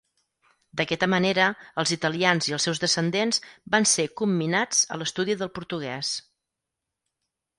D'aquesta manera els italians i els seus descendents van ser comminats a l'estudi del portuguès.